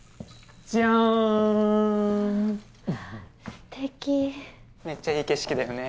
素敵めっちゃいい景色だよね